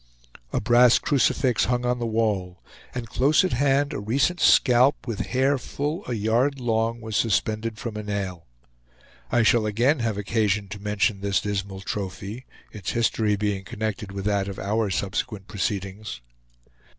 A brass crucifix hung on the wall, and close at hand a recent scalp, with hair full a yard long, was suspended from a nail. I shall again have occasion to mention this dismal trophy, its history being connected with that of our subsequent proceedings.